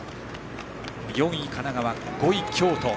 ４位、神奈川、５位、京都。